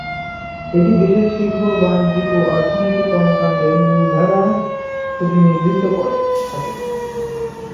এটি দেশের শিল্প, বাণিজ্যিক ও অর্থনৈতিক কর্মকান্ডের মূলধারার প্রতিনিধিত্ব করে থাকে।